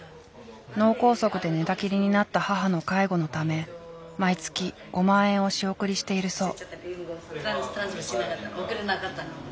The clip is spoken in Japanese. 脳梗塞で寝たきりになった母の介護のため毎月５万円を仕送りしているそう。